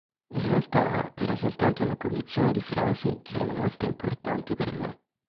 In realtà era soltanto una collezione di frasi che erano molto importanti per me.